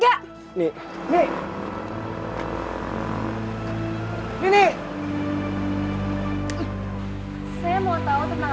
saya mau tahu tentang latar belakang membantunya yang kamu bawa kemari